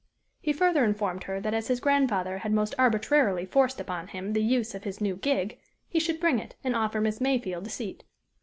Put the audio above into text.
He further informed her that as his grandfather had most arbitrarily forced upon him the use of his new gig, he should bring it, and offer Miss Mayfield a seat.